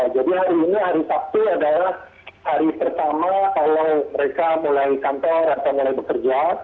jadi hari ini hari sabtu adalah hari pertama kalau mereka mulai kantor atau mulai bekerja